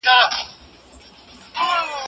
چپیانو لومړنی نظامي برخورد او کودتا وکړه.